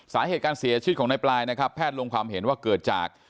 สาเหตุการเสียชีวิตของในปลายนะครับแพทย์ลงความเห็นว่าเกิดจาก